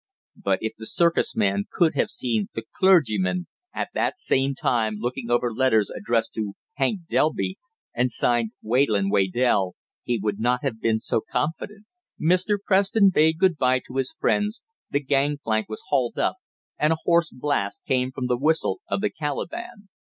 But if the circus man could have seen the "clergyman" at that same time looking over letters addressed to "Hank Delby," and signed "Wayland Waydell" he would not have been so confident. Mr. Preston bade good bye to his friends, the gangplank was hauled up, and a hoarse blast came from the whistle of the Calaban.